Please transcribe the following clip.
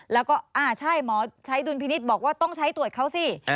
แล้วก็อ่าใช่หมอใช้ดุลพินิษฐ์บอกว่าต้องใช้ตรวจเขาสิ